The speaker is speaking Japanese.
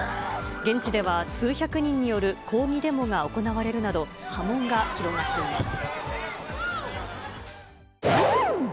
現地では、数百人による抗議デモが行われるなど、波紋が広がっています。